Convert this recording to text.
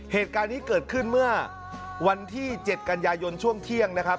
เหตุการณ์นี้เกิดขึ้นเมื่อวันที่๗กันยายนช่วงเที่ยงนะครับ